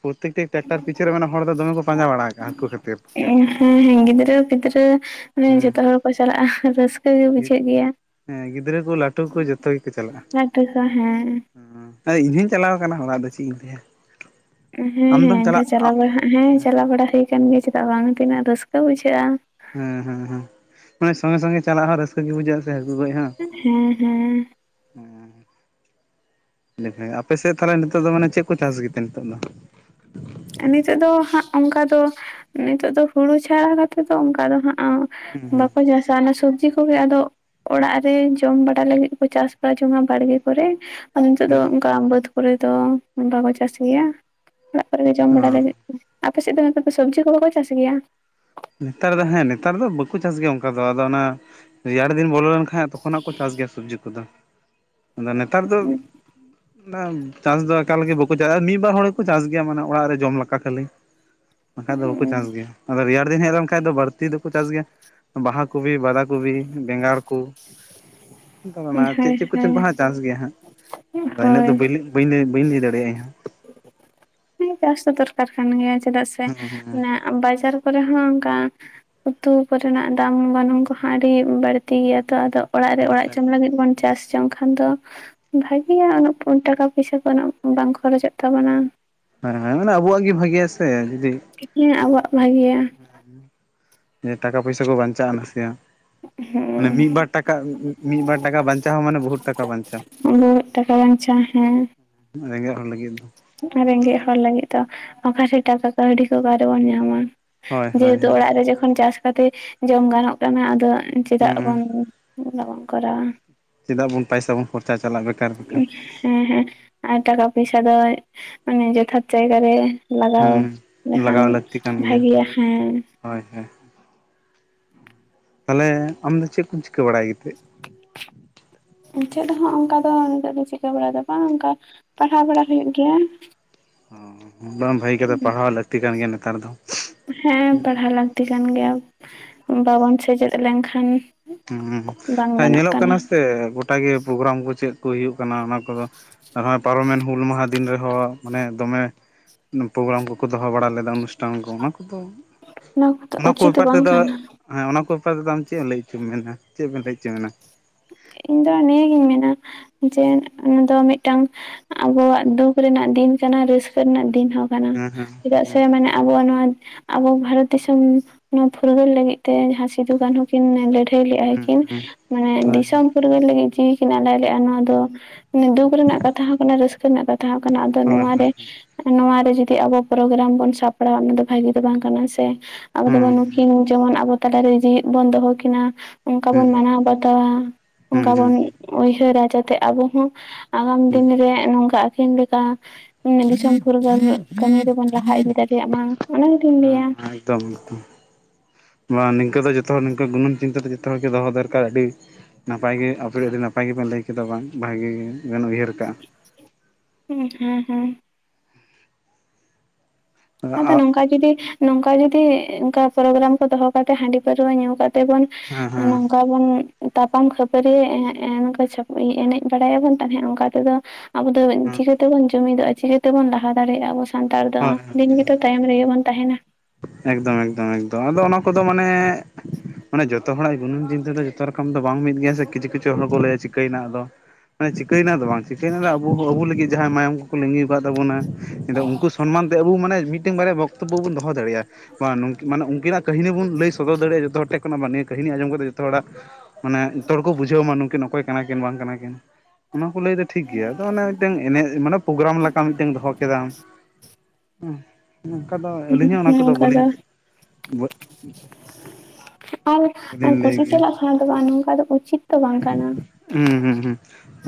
ᱯᱨᱚᱛᱛᱮᱠᱴᱤ ᱴᱨᱟᱠᱴᱟᱨ ᱯᱤᱷ ᱟᱫᱚ ᱠᱚ ᱢᱮᱱᱟ ᱦᱚᱲ ᱫᱚ ᱫᱚᱢᱮ ᱠᱩ ᱯᱟᱸᱡᱟ ᱵᱟᱲᱟ ᱠᱟᱜᱼᱟ ᱦᱟᱹᱠᱩ ᱠᱷᱟᱹᱛᱤᱨ ᱮᱸ ᱦᱮᱸ ᱦᱮᱸ ᱜᱤᱫᱽᱨᱟᱹ ᱯᱤᱫᱽᱨᱟᱹ ᱚᱱᱮ ᱡᱚᱛᱚ ᱦᱩᱸ ᱦᱚᱲ ᱠᱚ ᱪᱟᱞᱟᱜᱼᱟ ᱨᱟᱹᱥᱠᱟᱹ ᱜᱮ ᱵᱩᱡᱷᱟᱹᱜ ᱜᱮᱭᱟ᱾ ᱦᱮᱸ ᱜᱤᱫᱽᱨᱟᱹ ᱠᱚ ᱞᱟᱹᱴᱩ ᱠᱚ ᱡᱚᱛᱚ ᱜᱮᱠᱚ ᱪᱟᱞᱟᱜᱼᱟ᱾ ᱞᱟᱹᱴᱩᱠᱚ ᱦᱮᱸ ᱦᱚᱭ ᱤᱧ ᱦᱚᱧ ᱪᱟᱞᱟᱣ ᱟᱠᱟᱱᱟ ᱦᱚᱲᱟᱜ ᱫᱚ ᱪᱮᱫ ᱤᱧ ᱞᱟᱹᱭᱟ᱾ ᱦᱮᱸ ᱦᱮᱸ ᱟᱢᱫᱚᱢ ᱱᱠᱟ ᱪᱟᱞᱟᱜ ᱪᱟᱞᱟᱣ ᱵᱟᱲᱟ ᱦᱮᱸ ᱪᱟᱞᱟᱣ ᱵᱟᱲᱟ ᱦᱩᱭ ᱟᱠᱟᱱ ᱜᱮᱭᱟ ᱪᱮᱫᱟᱜ ᱵᱟᱝ ᱛᱤᱱᱟᱹᱜ ᱨᱟᱹᱥᱠᱟᱹ ᱵᱩᱡᱷᱟᱹᱜᱼᱟ᱾ ᱦᱮᱸ ᱦᱮᱸ ᱦᱮᱸ ᱢᱟᱱᱮ ᱥᱚᱸᱜᱮ ᱥᱚᱸᱜᱮ ᱪᱟᱞᱟᱜ ᱦᱚᱸ ᱨᱟᱹᱥᱠᱟᱹ ᱜᱮ ᱵᱩᱡᱷᱟᱹᱼᱟ ᱥᱮ ᱦᱟᱹᱠᱩ ᱜᱚᱡ ᱦᱚᱸ᱾ ᱦᱮᱸ ᱦᱮᱸ ᱟᱯᱮ ᱥᱮᱫ ᱛᱟᱦᱚᱞᱮ ᱱᱤᱛᱚᱜ ᱫᱚ ᱢᱟᱱᱮ ᱪᱮᱫ ᱠᱚ ᱪᱟᱥ ᱜᱮᱛᱮ ᱱᱤᱛᱚᱜ ᱫᱚ? ᱱᱤᱛᱳᱜ ᱫᱚ ᱦᱟᱸᱜ ᱚᱱᱠᱟ ᱫᱚ ᱱᱤᱛᱳ ᱫᱚ ᱦᱩᱲᱩ ᱪᱷᱟᱲᱟ ᱠᱟᱛᱮᱜ ᱫᱚ ᱚᱱᱠᱟ ᱫᱚ ᱦᱟᱸᱜ ᱦᱩᱸ ᱦᱩᱸ ᱵᱟᱠᱚ ᱪᱟᱥ-ᱟ ᱥᱩᱫ ᱥᱚᱵᱤ ᱠᱚᱜᱮ ᱟᱫᱚ ᱚᱲᱟᱜ ᱨᱮ ᱡᱚᱢ ᱵᱟᱲᱟ ᱞᱟᱹᱜᱤᱫ ᱠᱚ ᱪᱟᱥ ᱵᱟ ᱡᱚᱝᱟ ᱰᱟᱲᱜᱮ ᱠᱚᱨᱮ᱾ ᱟᱫᱚ ᱱᱤᱛᱚᱜ ᱫᱚ ᱚᱱᱠᱟ ᱵᱟᱹᱫᱽ ᱠᱚᱨᱮ ᱫᱚ ᱚᱱᱠᱟ ᱠᱚ ᱪᱟᱹᱟᱥ ᱜᱮᱭᱟ᱾ ᱛᱯᱚᱨᱮ ᱡᱚᱢ ᱚ ᱵᱟᱲᱟ ᱞᱟᱹᱜᱤᱫ ᱟᱯᱮ ᱥᱮᱫ ᱫᱚ ᱱᱮᱛᱟᱨ ᱫᱚ ᱥᱚᱵᱽᱡᱤ ᱠᱚ ᱵᱟᱠᱚ ᱪᱟᱥ ᱜᱮᱭᱟ? ᱱᱮᱛᱟᱨ ᱫᱚ ᱦᱮᱸ ᱱᱮᱛᱟᱨ ᱫᱚ ᱵᱟᱠᱚ ᱪᱟᱥ ᱜᱮᱭᱟ ᱚᱱᱠᱟ ᱫᱚ ᱟᱫᱚ ᱚᱱᱟ ᱨᱮᱭᱟᱲ ᱫᱤᱱ ᱵᱚᱞᱚ ᱞᱮᱱᱠᱷᱟᱱ ᱛᱚᱠᱷᱚᱱᱟᱜ ᱠᱚ ᱪᱟᱥ ᱜᱮᱭᱟ ᱥᱚᱵᱡᱤ ᱠᱚᱫᱚ ᱟᱫᱚ ᱱᱮᱛᱟᱨ ᱫᱚ ᱪᱟᱥ ᱫᱚ ᱮᱠᱟᱞᱜᱮ ᱵᱟᱠᱚ ᱪᱟᱥᱟ ᱢᱤᱫᱵᱟᱨ ᱦᱚᱲ ᱜᱮᱠᱚ ᱪᱟᱥ ᱜᱮᱭᱟ ᱢᱟᱱᱮ ᱚᱲᱟᱜ ᱨᱮ ᱡᱚᱢ ᱞᱮᱠᱟ ᱠᱷᱟᱹᱞᱤ᱾ ᱵᱟᱠᱷᱟᱡ ᱫᱚ ᱵᱟᱠᱚ ᱪᱟᱥ ᱦᱳᱭ ᱜᱮᱭᱟ ᱟᱫᱚ ᱨᱮᱭᱟᱲ ᱫᱤᱱ ᱦᱮᱡ ᱞᱮᱱᱠᱷᱟ ᱫᱚ ᱵᱟᱹᱲᱛᱤ ᱫᱚᱠᱚ ᱪᱟᱥ ᱜᱮᱭᱟ᱾ ᱵᱟᱦᱟ ᱠᱚᱵᱤ, ᱵᱟᱫᱟ ᱠᱚᱵᱤ, ᱵᱮᱸᱜᱟᱲ ᱠᱚ ᱚᱱᱟ ᱪᱮᱫ ᱪᱮᱫ ᱠᱚᱪᱚᱝ ᱠᱚᱦᱚᱸ ᱱᱟᱜ ᱪᱟᱥ ᱜᱮᱭᱟ ᱦᱟᱸᱜ ᱟᱫᱚ ᱤᱱᱟᱹᱜ ᱫᱚ ᱵ ᱦᱳᱭ ᱵᱧ ᱵᱟᱹᱧ ᱞᱟᱹᱭ ᱫᱟᱲᱮᱭᱟᱜᱼᱟ ᱤᱧᱦ ᱦᱚᱸ᱾ ᱪᱟᱥ ᱫᱚ ᱫᱚᱨᱠᱟᱨ ᱠᱟᱱ ᱜᱮᱭᱟ ᱪᱮᱫᱟᱜ ᱥᱮ ᱦᱮᱸ ᱚᱱᱟ ᱵᱟᱡᱟᱨ ᱠᱚᱨᱮ ᱦᱚᱸ ᱚᱱᱠᱟ ᱩᱛᱩ ᱠᱚᱨᱮᱱᱟᱜ ᱫᱟᱢ ᱜᱚᱱᱚᱝ ᱠᱚᱦᱚᱸ ᱟᱹᱰᱤ ᱵᱟᱹᱲᱛᱤ ᱜᱮᱭᱟ ᱛᱚ ᱟᱫᱚ ᱚᱲᱟᱜ ᱨᱮ ᱦᱮᱸ ᱚᱲᱟᱜ ᱦᱮᱸ ᱡᱚᱢ ᱞᱟᱹᱜᱤᱫ ᱵᱚᱱ ᱪᱟᱥ ᱡᱚᱝᱠᱷᱟᱱ ᱫᱚ ᱵᱷᱟᱜᱮᱭᱟ ᱩᱱᱟᱹᱜ ᱴᱟᱠᱟ ᱯᱚᱭᱥᱟ ᱠᱚ ᱩᱱᱟᱹᱜ ᱵᱟᱝ ᱠᱷᱚᱨᱚᱪᱚᱜ ᱛᱟᱵᱚᱱᱟ᱾ ᱦᱮᱸ ᱦᱮᱸ ᱢᱟᱱᱮ ᱟᱵᱚᱣᱟᱜ ᱜᱮ ᱵᱷᱟᱜᱮᱭᱟ ᱥᱮ ᱡᱩᱫᱤ ᱛᱤᱠᱤ ᱟᱵᱚᱣᱟᱜ ᱵᱷᱟᱹᱜᱮᱤᱭᱟ᱾ ᱡᱮ ᱴᱟᱠᱟ ᱯᱚᱭᱥᱟ ᱠᱚ ᱵᱟᱧᱪᱟᱜᱼᱟ ᱱᱟᱥᱮᱭᱟᱜ᱾ ᱢᱟᱱᱮ ᱦᱮᱸ ᱢᱤᱫ ᱵᱟᱨ ᱴᱟᱠᱟ ᱢᱤᱫ ᱵᱟᱨ ᱴᱟᱠᱟ ᱵᱟᱧᱪᱟᱣ ᱦᱚᱸ ᱢᱟᱱᱮ ᱵᱚᱦᱩᱛ ᱴᱟᱠᱟ ᱵᱟᱧᱪᱟᱣ᱾ ᱩᱱᱟᱹ ᱴᱟᱠᱟ ᱵᱟᱧᱪᱟ ᱦᱮᱸ ᱨᱮᱸᱜᱮᱡ ᱦᱚᱲ ᱞᱟᱹᱜᱤᱫ ᱫᱚ ᱨᱮᱸᱜᱮᱡ ᱦᱚᱲ ᱞᱟᱹᱜᱤᱫ ᱫᱚ ᱚᱠᱟᱨᱮ ᱴᱟᱠᱟ ᱠᱟᱹᱣᱰᱤ ᱠᱚ ᱚᱠᱟᱨᱮᱵᱚᱱ ᱧᱟᱢᱟ᱾ ᱦᱳᱭ ᱦᱳᱭ ᱡᱮᱦᱮᱛᱩ ᱦᱳᱭ ᱚᱲᱟᱜ ᱨᱮ ᱡᱚᱠᱷᱚᱱ ᱪᱟᱥ ᱠᱟᱛᱮ ᱡᱚᱢ ᱜᱟᱱᱚᱜ ᱠᱟᱱᱟ ᱟᱫᱚ ᱪᱮᱫᱟᱜ ᱦᱩᱸ ᱵᱚᱱ ᱩᱱᱟᱹᱜ ᱵᱚᱱ ᱠᱚᱨᱟᱣᱟ ᱪᱮᱫᱟᱜ ᱵᱚᱱ ᱯᱚᱭᱥᱟ ᱵᱚᱱ ᱠᱷᱚᱨᱪᱟ ᱪᱟᱞᱟᱜᱼᱟ ᱵᱮᱠᱟᱨ, ᱵᱮᱠᱟᱨ᱾ ᱦᱮᱸ ᱦᱮᱸ ᱟᱨ ᱴᱟᱠᱟ ᱯᱚᱭᱥᱟ ᱫᱚ ᱢᱟᱱᱮ ᱡᱚᱛᱷᱟᱛ ᱡᱟᱭᱜᱟ ᱨᱮ ᱞᱟᱜᱟᱣ ᱦᱩᱸ ᱞᱮᱠᱷᱟᱱ ᱞᱟᱜᱟᱣ ᱞᱟᱹᱠᱛᱤ ᱠᱟᱱ ᱜᱮᱭᱟ ᱵᱷᱟᱹᱜᱤᱭᱟ ᱦᱮᱸ ᱦᱳᱭ ᱦᱳᱭ ᱛᱟᱦᱚᱞᱮ ᱟᱢᱫᱚ ᱪᱮᱫ ᱠᱚᱢ ᱪᱤᱠᱟᱹ ᱵᱟᱲᱟᱭᱛ ᱪᱮᱫ ᱦᱚᱸ ᱚᱱᱠᱟ ᱫᱚ ᱱᱤᱛᱚᱜ ᱫᱚ ᱪᱤᱠᱟᱹ ᱵᱟᱲᱟᱭᱮᱫ ᱵᱟᱝ ᱚᱱᱠᱟ ᱯᱟᱲᱦᱟᱣ ᱵᱟᱲᱟ ᱦᱩᱭᱩᱜ ᱜᱮᱭᱟ ᱚ ᱵᱟᱝ ᱵᱷᱟᱹᱜᱤ ᱠᱟᱫᱟ ᱯᱟᱲᱦᱟᱣ ᱞᱟᱹᱠᱛᱤ ᱠᱟᱱ ᱜᱮᱭᱟ ᱱᱮᱛᱟᱨ ᱫᱚ ᱦᱮᱸ ᱯᱟᱲᱦᱟᱣ ᱞᱟᱹᱠᱛᱤ ᱠᱟᱱ ᱜᱮᱭᱟ ᱵᱟᱵᱚᱱ ᱥᱮᱪᱮᱫ ᱞᱮᱱᱠᱷᱟᱱ ᱵᱟᱝ ᱦᱸ ᱜᱟᱱᱚᱜ ᱧᱮᱞᱚᱜ ᱠᱟᱱᱟ ᱥᱮ ᱜᱚᱴᱟ ᱜᱮ ᱯᱨᱳᱜᱨᱟᱢ ᱠᱚ ᱪᱮᱫ ᱠᱚ ᱦᱩᱭᱩᱜ ᱠᱟᱱᱟ ᱚᱱᱟ ᱠᱚᱫᱚ ᱱᱚᱜᱼᱚᱭ ᱯᱟᱨᱚᱢᱮᱱ ᱦᱩᱞ ᱢᱟᱦᱟ ᱫᱤᱱ ᱨᱮᱦᱚᱸ ᱢᱟᱱᱮ ᱫᱚᱢᱮ ᱯᱨᱳᱜᱨᱟᱢ ᱠᱚᱠᱚ ᱫᱚᱦᱚ ᱵᱟᱲᱟ ᱞᱮᱫᱟ ᱚᱱᱩᱥᱴᱷᱟᱱ ᱠᱚ ᱚᱱᱟ ᱠᱚᱫᱚ ᱠᱚᱫᱚ ᱚᱱᱟ ᱠᱚ ᱩᱪᱤᱛ ᱵᱮᱯᱟᱨ ᱵᱟᱝ ᱛᱮᱫᱚ ᱠᱟᱱᱟ ᱦᱮᱸ ᱚᱱᱟ ᱠᱚ ᱵᱮᱯᱟᱨ ᱛᱮᱫᱚ ᱟᱢ ᱪᱮᱫ ᱮᱢ ᱞᱟᱹᱭ ᱦᱚᱪᱚᱢ ᱢᱮᱱᱟ ᱪᱮᱫ ᱵᱮ ᱮᱢ ᱞᱟᱹᱭ ᱦᱚᱪᱚ ᱢᱮᱱᱟ ᱤᱧ ᱫᱚ ᱱᱤᱭᱟᱹᱜᱤᱧ ᱢᱮᱱᱟ ᱡᱮ ᱚᱱᱟ ᱫᱚ ᱢᱤᱫᱴᱟᱝ ᱟᱵᱚᱣᱟᱜ ᱫᱩᱠ ᱨᱮᱱᱟᱜ ᱫᱤᱱ ᱠᱟᱱᱟ ᱨᱟᱹᱥᱠᱟᱹ ᱨᱮᱱᱟᱜ ᱫᱤᱱ ᱦᱚᱸ ᱠᱟᱱᱟ ᱦᱮᱸ ᱦᱮᱸ ᱪᱮᱫᱟᱜ ᱥᱮ ᱢᱟᱱᱮ ᱟᱵᱚᱣᱟᱜ ᱱᱚᱣᱟ ᱟᱵᱚ ᱵᱷᱟᱨᱚᱛ ᱫᱤᱥᱚᱢ ᱱᱚᱣᱟ ᱯᱷᱩᱨᱜᱟᱹᱞ ᱞᱟᱹᱜᱤᱫ ᱛᱮ ᱡᱟᱦᱟᱸ ᱥᱤᱫᱩ ᱠᱟᱹᱱᱦᱩ ᱠᱤᱱ ᱞᱟᱹᱲᱦᱟᱹᱭ ᱞᱮᱫᱟᱭ ᱦᱮᱸ ᱠᱤᱱ ᱦᱮᱸ ᱦᱮᱸ ᱢᱟᱱᱮ ᱦᱳᱭ ᱦᱳᱭ ᱫᱤᱥᱚᱢ ᱯᱷᱩᱨᱜᱟᱹᱞ ᱞᱟᱹᱜᱤᱫ ᱡᱤᱣᱤ ᱠᱤᱱ ᱟᱰᱟᱭ ᱞᱮᱫᱼᱟ ᱱᱚᱣᱟ ᱫᱚ ᱫᱩᱠ ᱨᱮᱱᱟᱜ ᱠᱟᱛᱷᱟ ᱦᱚᱸ ᱠᱟᱱᱟ ᱨᱟᱹᱥᱠᱟᱹ ᱨᱮᱱᱟᱜ ᱠᱟᱛᱷᱟ ᱠᱟᱱᱟ ᱟᱫᱚ ᱦᱳᱭ ᱱᱚᱣᱟᱨᱮ ᱦᱳᱭ ᱦᱮᱸ ᱱᱚᱣᱟᱨᱮ ᱡᱩᱫᱤ ᱟᱵᱚ ᱯᱨᱳᱜᱨᱟᱢ ᱵᱚᱱ ᱥᱟᱯᱲᱟᱣᱟ ᱚᱱᱟ ᱫᱚ ᱵᱷᱟᱜᱤ ᱫᱚ ᱵᱟᱝ ᱠᱟᱱᱟ ᱥᱮ ᱟᱵᱚ ᱫᱚ ᱦᱮᱸ ᱵᱚᱱ ᱱᱩᱠᱤᱱ ᱡᱮᱢᱚᱱ ᱟᱵᱚ ᱛᱟᱞᱟᱨᱮ ᱡᱣ ᱵᱚᱱ ᱫᱚᱦᱚ ᱠᱤᱱᱟ ᱚᱱᱠᱟ ᱦᱮᱸ ᱵᱚᱱ ᱢᱟᱱᱟᱣ ᱵᱟᱛᱟᱣᱟ ᱦᱮᱸ ᱚᱱᱠᱟ ᱦᱮᱸ ᱦᱮᱸ ᱵᱚᱱᱭᱦᱟᱹᱨᱟ ᱡᱟᱛᱮ ᱟᱵᱚ ᱦᱚᱸ ᱟᱜᱟᱢ ᱫᱤᱱ ᱨᱮ ᱱᱚᱝᱠᱟ ᱟᱹᱤᱱ ᱞᱮᱠᱟ ᱫᱤᱥᱚᱢ ᱯᱷᱩᱨᱜᱟᱹᱞ ᱠᱟᱹᱢᱤ ᱨᱮᱵᱚᱱ ᱞᱟᱦᱟ ᱤᱫᱤ ᱫᱟᱲᱮᱭᱟᱜ ᱢᱟ ᱚᱱᱟᱱᱟᱜᱤᱧ ᱞᱟᱹᱭᱟ ᱮᱠᱫᱚᱢ ᱮᱠᱫᱚᱢ ᱵᱟ ᱱᱤᱝᱠᱟᱹ ᱫᱚ ᱡᱚᱛᱚ ᱦᱚᱲ ᱱᱤᱝᱠᱟᱹ ᱜᱩᱱᱟᱹᱱ ᱪᱤᱱᱛᱟᱹ ᱫᱚ ᱡᱚᱛᱚ ᱦᱚᱲ ᱜᱮ ᱫᱚᱦᱚ ᱫᱚᱨᱠᱟᱨ ᱟᱹᱰᱤ ᱱᱟᱯᱟᱭ ᱜᱮ ᱟ. ᱵᱤ ᱟᱹᱰᱤ ᱱᱟᱯᱟᱭ ᱜᱮᱵᱮᱱ ᱞᱟᱹᱭ ᱠᱮᱫᱟ ᱵᱟᱝ ᱵᱷᱟᱹᱜᱤ ᱜᱮᱵᱱ ᱩᱭᱦᱟᱹᱨ ᱠᱟᱜᱼᱟ ᱦᱩᱸ ᱦᱩᱸ ᱦᱩᱸ ᱟᱫᱚ ᱱᱚᱝᱠᱟ ᱡᱩᱚᱫᱤ ᱱᱚᱝᱠᱟ ᱡᱩᱚᱫᱤ ᱚᱱᱠᱟ ᱯᱨᱳᱜᱨᱟᱢ ᱠᱚ ᱫᱚᱦᱚ ᱠᱟᱛᱮ ᱦᱟᱺᱰᱤ ᱯᱟᱹᱨᱟᱹᱣᱨᱟᱹ ᱧᱩ ᱠᱟᱛᱮ ᱾ ᱵ ᱦᱮᱸ ᱦᱮᱸ ᱱᱚᱝᱠᱟ ᱚᱱ ᱛᱟᱯᱟᱢ ᱠᱷᱟᱹᱯᱟᱹᱨᱤ ᱮᱱᱮᱡ ᱵᱟᱲᱟᱭᱟᱵᱚᱱ ᱛᱟᱦᱮᱸᱫ ᱚᱱᱠᱟ ᱛᱮᱫᱚ ᱾ ᱟᱵᱚ ᱫᱚ ᱦᱮᱸ ᱪᱤᱠᱟᱹᱛᱮᱵᱚᱱ ᱡᱩᱢᱤᱫᱚᱜᱼᱟ ᱪᱤᱠᱟᱹᱛᱮᱵᱚᱱ ᱞᱟᱦᱟ ᱫᱟᱲᱮᱭᱟᱜᱼᱟ ᱟᱵᱚ ᱥᱟᱱᱛᱟᱲ ᱫᱚ ᱦᱳᱭ ᱦᱳᱭ ᱾ ᱫᱤᱱ ᱜᱮᱛᱚ ᱛᱟᱭᱚᱢ ᱨᱮᱜᱮ ᱵᱚᱱ ᱛᱟᱦᱮᱱᱟ ᱾ ᱮᱠᱫᱚᱢ ᱮᱠᱫᱚᱢ ᱮᱠᱫᱚᱢ ᱟᱫᱚ ᱚᱱᱟ ᱠᱚᱫᱚ ᱢᱟᱱᱮ ᱾ ᱢᱟᱱᱮ ᱡᱚᱛᱚ ᱦᱚᱲᱟᱜ ᱜᱩᱱᱟᱹᱢ ᱪᱤᱱᱛᱟᱹ ᱫᱚ ᱡᱚᱛᱚ ᱨᱚᱠᱚᱢ ᱫᱚ ᱵᱟᱝ ᱢᱤᱫ ᱜᱮᱭᱟ ᱥᱮ ᱠᱤᱪᱷᱩ ᱠᱤᱪᱷᱩ ᱦᱚᱲ ᱠᱚ ᱞᱟᱹᱭᱟ ᱪᱤᱠᱟᱹᱭ ᱨᱮᱱᱟᱜ ᱫᱚ ᱾ ᱢᱟᱱᱮ ᱪᱤᱠᱟᱹᱭᱱᱟ ᱫᱚ ᱵᱟᱝ ᱪᱤᱠᱟᱹᱭᱱᱟ ᱟᱵᱚ ᱟᱵᱚ ᱞᱟᱹᱜᱤᱫ ᱡᱟᱦᱟᱸᱭ ᱢᱟᱭᱟᱢ ᱠᱚᱠᱚ ᱞᱤᱜᱤ ᱟᱠᱟᱫ ᱛᱟᱵᱚᱱᱟ ᱾ ᱩᱱᱠᱩ ᱥᱚᱱᱢᱟᱱ ᱛᱮ ᱟᱵᱚ ᱢᱟᱱᱮ ᱢᱤᱫᱴᱮᱱ ᱵᱟᱨᱭᱟ ᱵᱚᱠᱛᱚᱵᱵᱚ ᱵᱚᱱ ᱫᱚᱦᱚ ᱫᱟᱲᱮᱭᱟᱜᱼᱟ ᱾ ᱢᱟᱱᱮ ᱩᱱᱠᱤᱱᱟᱜ ᱠᱟᱹᱦᱱᱤ ᱵᱚᱱ ᱞᱟᱹᱭ ᱥᱚᱫᱚᱨ ᱫᱟᱲᱮᱭᱟᱜᱼᱟ ᱡᱚᱛᱚ ᱦᱚᱲ ᱴᱮᱱ ᱠᱷᱚ ᱵᱟ ᱱᱤᱭᱟᱹ ᱠᱟᱹᱦᱱᱤ ᱟᱸᱡᱚᱢ ᱠᱟᱛᱮ ᱡᱚᱛᱚ ᱦᱚᱲᱟᱜ ᱾ ᱢᱟᱱᱮ ᱡᱚᱛᱚ ᱦᱚᱲ ᱠᱚ ᱵᱩᱡᱷᱟᱹᱣ ᱢᱟ ᱱᱩᱠᱤᱱ ᱚᱠᱚᱭ ᱠᱟᱱᱟ ᱠᱤᱱ ᱵᱟᱝ ᱠᱟᱱᱟ ᱠᱤᱱ ᱚᱱᱟ ᱠᱚ ᱞᱟᱹᱭᱫᱟ ᱴᱷᱤᱠ ᱜᱮᱭᱟ ᱟᱫᱚ ᱚᱱᱮ ᱢᱤᱫᱴ ᱮᱱᱮᱡ ᱢᱟᱱᱮ ᱯᱨᱳᱜᱨᱟᱢ ᱞᱮᱠᱟ ᱢᱤᱫᱴᱮᱱ ᱫᱚᱦᱚ ᱠᱮᱫᱟᱢ ᱾ ᱝᱠᱟ ᱫᱚ ᱟᱹᱞᱤᱧ ᱦᱚᱸ ᱚᱱᱟ ᱦᱮᱸ ᱠᱚᱫᱚ ᱚᱱᱠᱟ ᱵᱟᱹᱞᱤᱧ ᱫᱚ ᱟᱨ ᱵᱟᱹᱞᱤᱧ ᱞᱟᱹᱭ ᱠᱩᱥᱤ ᱜᱮᱭᱟ ᱪᱟᱞᱟᱜ ᱠᱷ ᱫᱚ ᱵᱟᱝ ᱱᱚᱝᱠᱟ ᱫᱚ ᱩᱪᱤᱛ ᱾ ᱛᱚ ᱵᱟᱝ ᱠᱟᱱᱟ ᱦᱩᱸ ᱦᱩᱸ ᱦᱩᱸ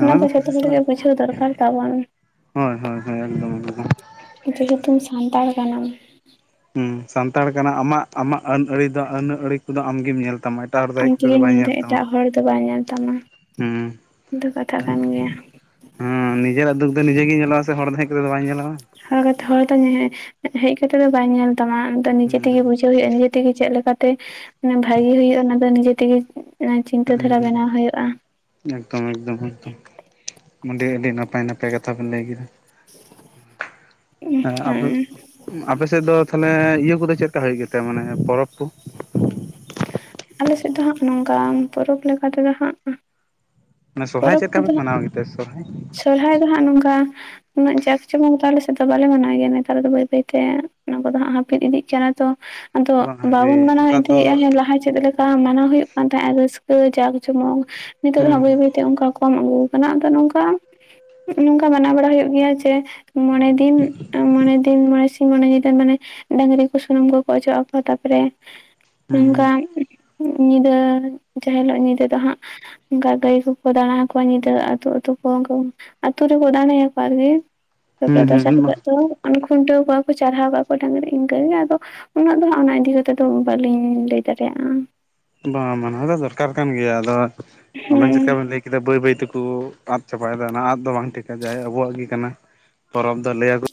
ᱚᱱᱟ ᱫᱚ ᱡᱷᱚᱛᱚ ᱠᱩᱥᱤ ᱦᱚᱲ ᱥᱟᱞᱟᱜ ᱨᱮᱜᱮ ᱵᱩᱡᱷᱟᱹᱣ ᱫᱚᱨᱠᱟᱨ ᱛᱟᱵᱚᱱ ᱾ ᱦᱳᱭ ᱦᱳᱭ ᱦᱳᱭ ᱮᱠᱫᱚᱢ ᱮᱠᱫᱚᱢ ᱾ ᱡᱮᱦᱮᱛᱩᱢ ᱥᱟᱱᱛᱟᱲ ᱠᱟᱱᱟᱢ ᱾ ᱦᱸ ᱥᱟᱱᱛᱟᱲ ᱠᱟᱱᱟ ᱟᱢᱟᱜ ᱟᱢᱟᱜ ᱟᱹᱱ ᱟᱹᱲᱤ ᱫᱚ ᱟᱹᱱ ᱟᱹᱲᱤ ᱠᱚᱫᱚ ᱟᱢᱜᱮᱢ ᱧᱮᱞ ᱛᱟᱢᱟ ᱾ ᱮᱴᱟᱜ ᱦᱚᱲ ᱫᱚ ᱦᱮᱡ ᱟᱢ ᱠᱟᱛᱮ ᱫᱚ ᱛᱮᱜᱮᱢ ᱵᱟᱭ ᱢᱮᱱᱫᱟ ᱧᱮᱞ ᱛᱟᱢᱟ ᱮᱴᱟᱜ ᱦᱚᱲ ᱫᱚ ᱵᱟᱭ ᱧᱮᱞ ᱛᱟᱢᱟ ᱦᱸ ᱫᱚ ᱠᱟᱛᱷᱟ ᱠᱟᱱ ᱜᱮᱭᱟ ᱾ ᱦᱮᱸ ᱱᱤᱡᱮᱨᱟᱜ ᱫᱩᱠ ᱫᱚ ᱱᱤᱡᱮ ᱜᱮ ᱧᱮᱞᱚᱜ ᱟ ᱥᱮ ᱦᱚᱲ ᱫᱚ ᱦᱮᱡ ᱠᱟᱛᱮᱛ ᱫᱚ ᱵᱟᱹᱧ ᱧᱟᱞᱚᱜᱼᱟ ᱾ ᱦ ᱠᱟᱛᱮ ᱦᱚᱲ ᱫᱚ ᱦᱮᱡ ᱠᱟᱛᱮᱜ ᱫᱚ ᱵᱟᱭ ᱧᱮᱞ ᱛᱟᱢᱟ ᱱᱤᱡᱮ ᱛᱮᱜᱮ ᱦᱩᱸ ᱵᱩᱡᱷᱟᱹᱣ ᱦᱩᱭᱩᱜᱜᱼᱟ ᱱᱤᱡᱮ ᱾ ᱱ ᱛᱮᱜᱮ ᱪᱮᱫ ᱞᱮᱠᱟᱛᱮ ᱢᱮ ᱵᱷᱟᱜᱤ ᱦᱩᱭᱩᱜᱼᱟ ᱚᱱᱟ ᱫᱚ ᱱᱤᱡᱮ ᱛᱮᱜᱮ ᱦᱩᱸ ᱪᱤᱱᱛᱟᱹ ᱫᱷᱟᱨᱟ ᱵᱮᱱᱟᱣ ᱦᱩᱸ ᱦᱩᱭᱩᱜᱭᱼᱟ ᱾ ᱮᱠᱫᱚᱢ ᱮᱠᱫᱚᱢ ᱮᱠᱚᱢ ᱚ ᱟᱹᱰᱤ ᱱᱟᱯᱟᱭ ᱱᱟᱯᱟᱭ ᱾ ᱢᱤᱫᱮ ᱠᱟᱛᱷᱟ ᱵᱱ ᱞᱟᱹᱭ ᱠᱮᱫᱟ ᱟᱵᱚ ᱦᱮᱸ ᱾ ᱟᱯᱮᱮᱥᱮᱫ ᱫᱚ ᱛᱟᱦᱞᱮ ᱤᱭᱟᱹ ᱠᱚᱫᱚ ᱪᱮᱫᱞ ᱞᱮᱠᱟ ᱦᱩᱭᱩᱜ ᱜᱮᱛ ᱢᱟᱱᱮ ᱯᱚᱨᱚᱵᱽ ᱠᱚ? ᱟᱞᱮ ᱥᱮᱫ ᱫᱚ ᱦᱟᱸᱜ ᱱᱚᱝᱠ ᱯᱚᱨᱚᱵᱽ ᱞᱮᱠᱟᱛᱮᱫᱚ ᱦᱟᱸᱜ ᱾ ᱢᱟᱱᱮ ᱥᱚᱨᱦᱟᱭ ᱯᱚᱨᱚᱵᱽ ᱪᱮᱫ ᱞᱮᱠᱟ ᱯᱮ ᱠᱚᱫᱚ ᱢᱟᱱᱟᱣ ᱜᱮᱛᱮ ᱥᱚᱨᱦᱟᱭ ᱥᱚᱨᱦᱟᱭ ᱫᱚ ᱦᱟᱸᱜ ᱱᱚᱝᱠᱟ ᱾ ᱩᱱᱟᱹᱜ ᱡᱟᱠ ᱪᱮ ᱵᱟᱝ ᱟᱞᱮ ᱥ ᱫᱚ ᱵᱟᱞᱮ ᱢᱟᱱᱟᱣ ᱜᱮᱭᱟ ᱱᱮᱛᱟᱨ ᱫᱚ ᱵᱟᱹᱭ ᱵᱟᱹᱭᱛᱮ ᱚᱱᱟ ᱠᱚᱫᱚ ᱦᱟᱸᱜ ᱦᱟᱹᱯᱤᱫ ᱤᱫᱤᱜ ᱠᱟᱱᱟ ᱛᱚ ᱾ ᱟᱫᱚ ᱵᱟᱝ ᱦᱟᱭᱨᱮ ᱵᱟᱵᱩᱱ ᱢᱟᱱᱟᱣ ᱚᱱᱠᱟ ᱫᱚ ᱤᱫᱤᱭᱮᱫᱼᱟ ᱞᱟᱦᱟ ᱾ ᱪᱮᱫ ᱞᱮᱠᱟ ᱢᱟᱱᱟᱣ ᱦᱩᱭᱩᱜ ᱠᱟᱱ ᱛᱟᱦᱮᱸᱱᱟ ᱨᱟᱹᱥᱠᱟᱹ ᱡᱟᱸᱠ ᱡᱚᱢᱚᱠ ᱱᱤᱛᱚᱜ ᱦᱩᱸ ᱦᱟᱸᱜ ᱵᱟᱹᱭ ᱵᱟᱹᱭ ᱚᱱᱠᱟ ᱠᱚᱢ ᱟᱹᱜᱩ ᱠᱟᱱᱟ ᱟᱫᱚ ᱱᱚᱝᱠᱟ ᱱᱚᱝᱠᱟ ᱢᱟᱱᱟᱣ ᱵᱟᱲᱟ ᱦᱩᱭᱩᱜ ᱜᱮᱭᱟ ᱡᱮ ᱾ ᱢᱚᱬᱮ ᱫᱤᱱ ᱢᱚᱬᱮ ᱫᱤᱱ ᱢᱚᱬᱮ ᱥᱤᱧ ᱢᱚᱬᱮ ᱧᱤᱫᱟᱹ ᱢᱟᱱᱮ ᱰᱟᱝᱨᱤ ᱠᱚ ᱥᱩᱱᱩᱢ ᱠᱚᱠᱚ ᱚᱡᱚᱜ ᱟᱠᱚ ᱛᱟᱨᱯᱚᱨᱮ ᱾ ᱦᱩᱸ ᱱᱚᱝᱠᱟ ᱧᱤᱫᱟᱹ ᱡᱟᱦᱟᱸ ᱦᱤᱞᱳᱜ ᱧᱤᱫᱟᱹ ᱫᱚ ᱦᱟᱸᱜ ᱚᱱᱠᱟ ᱜᱟᱹᱭ ᱠᱚ ᱾ ᱫᱟᱲᱟ ᱟᱠᱚᱣᱟ ᱧᱤᱫᱟᱹ ᱟᱹᱛᱩ ᱟᱹᱛᱩ ᱠᱚ ᱟᱹᱛᱩ ᱨᱮ ᱟᱠᱚᱣᱟ ᱟᱨᱮ ᱾ ᱛᱟᱯᱚᱨᱮ ᱦᱩᱸ ᱫᱚᱥᱟᱨ ᱦᱩᱸ ᱦᱤᱞᱳᱜ ᱫᱚ ᱠᱷᱩᱱᱴᱟᱹᱣ ᱠᱚᱣᱟ ᱠᱚ ᱪᱟᱨᱦᱟᱣ ᱠᱚᱣᱟ ᱠᱚ ᱰᱟᱝᱨᱤ ᱤᱱᱠᱟᱹ ᱜᱮ ᱟᱫᱚ ᱾ ᱩᱱᱟᱹᱜ ᱫᱚ ᱦᱟᱸᱜ ᱚᱱᱟ ᱤᱫᱤ ᱠᱟᱛᱮᱜ ᱫᱚ ᱵᱟᱹᱞᱤᱧ ᱞᱟᱹᱭ ᱫᱟᱲᱮᱭᱟᱜᱼᱟ ᱵᱟᱝ ᱢᱟᱱᱟᱦᱣ ᱫᱚ ᱫᱚᱨᱠᱟᱨ ᱠᱟᱱ ᱜᱮᱭᱟ ᱟᱫᱚ ᱟᱱᱮ ᱦᱮᱸ ᱪᱮᱫᱠᱟ ᱵᱮᱱ ᱞᱟᱹᱭ ᱠᱮᱫ ᱾ ᱪ ᱠᱮᱫᱟ ᱵᱟᱹᱭ ᱵᱟᱹᱭ ᱛᱮᱠᱚ ᱟᱫ ᱪᱟᱵᱟᱭᱮᱫᱟ ᱚᱱᱟ ᱟᱫ ᱫᱚ ᱵᱟᱝ ᱴᱷᱤᱠᱟ ᱡᱟᱭ ᱟᱵᱚᱣᱟᱜ ᱜᱮ ᱠᱟᱱᱟ ᱾ ᱯᱚᱨᱚᱵᱽ ᱫᱚ ᱞᱟᱹᱭ ᱟᱹᱠᱩ